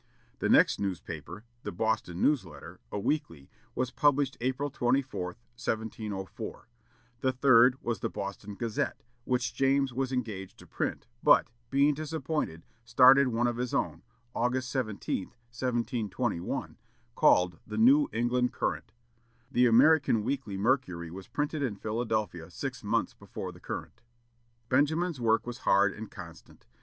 The next newspaper, the Boston News Letter, a weekly, was published April 24, 1704; the third was the Boston Gazette, which James was engaged to print, but, being disappointed, started one of his own, August 17, 1721, called the New England Courant. The American Weekly Mercury was printed in Philadelphia six months before the Courant. Benjamin's work was hard and constant.